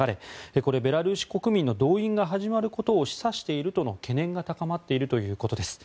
これはベラルーシ国民の動員が始まることを示唆しているとの懸念が高まっているということです。